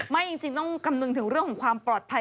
จริงต้องคำนึงถึงเรื่องของความปลอดภัย